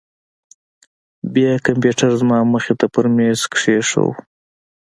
بيا يې کمپيوټر زما مخې ته پر ميز کښېښوو.